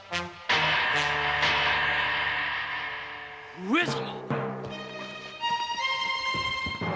上様！